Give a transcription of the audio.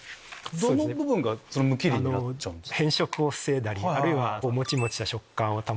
どの部分が無機リンになっちゃうんですか？